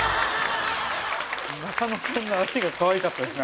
中野さんの足がかわいかったですね